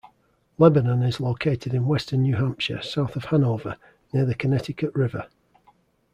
Lebanon is located in western New Hampshire, south of Hanover, near the Connecticut River.